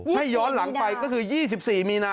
ให้ย้อนหลังไป๒๔มีนา